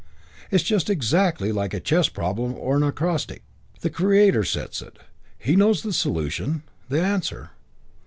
It's just exactly like a chess problem or an acrostic. The Creator sets it. He knows the solution, the answer.